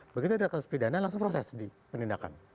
begitu ada kas pidana langsung proses diperlindahkan